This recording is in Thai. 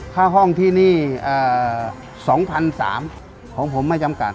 ค่าห้องที่นี่๒๓๐๐บาทของผมไม่จำกัด